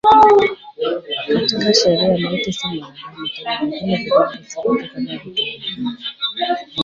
Katika sheria maiti si mwanadamu tena lakini vilevile si kitu kama vitu vingine.